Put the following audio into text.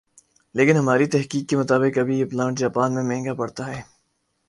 لیکن ہماری تحقیق کے مطابق ابھی یہ پلانٹ جاپان میں مہنگا پڑتا ھے